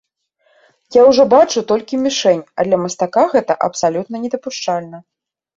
Я ўжо бачу толькі мішэнь, а для мастака гэта абсалютна недапушчальна.